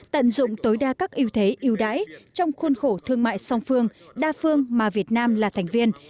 tận dụng tối đa các ưu thế yêu đáy trong khuôn khổ thương mại song phương đa phương mà việt nam là thành viên